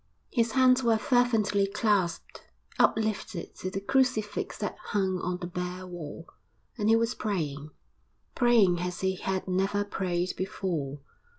His hands were fervently clasped, uplifted to the crucifix that hung on the bare wall, and he was praying, praying as he had never prayed before.